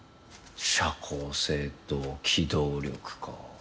社交性と機動力か。